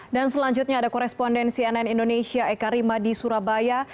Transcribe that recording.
dan selanjutnya ada koresponden cnn indonesia eka rima di surabaya